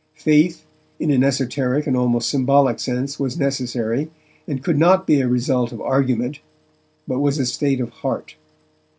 Faith, in an esoteric and almost symbolic sense, was necessary, and could not be a result of argument, but was a state of heart.